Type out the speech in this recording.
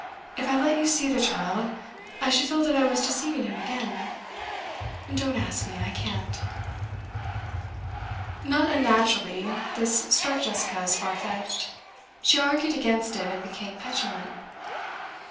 If I let you see the child, I should feel that I was deceiving him again. Don't ask me; I can't.' Not unnaturally this struck Jessica as far fetched. She argued against it, and became petulant.